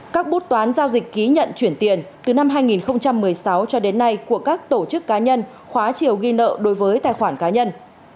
các bút toán giao dịch ký nhận chuyển tiền từ năm hai nghìn một mươi sáu cho đến nay của các tổ chức cá nhân khóa chiều ghi nợ đối với tài khoản cá nhân